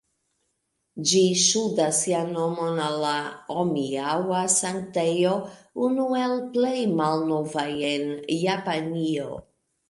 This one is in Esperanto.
Ĝi ŝuldas sian nomon al la Omiŭa-Sanktejo, unu el plej malnovaj en Japanio.